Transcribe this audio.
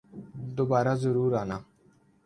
دوبارہ ضرور آنا